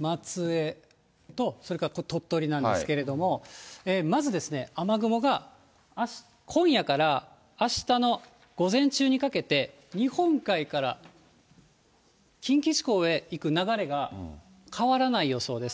松江とそれから鳥取なんですけれども、まず、雨雲が今夜からあしたの午前中にかけて、日本海から近畿地方へ行く流れが変わらない予想です。